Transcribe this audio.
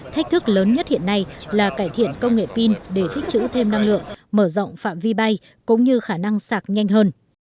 thách thức lớn nhất hiện nay là cải thiện công nghệ pin để tích chữ thêm năng lượng mở rộng phạm vi bay cũng như khả năng sạc nhanh hơn